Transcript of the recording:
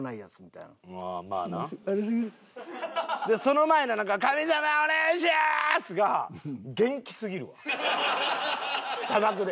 その前のなんか「神様お願いします！」が元気すぎるわ砂漠で。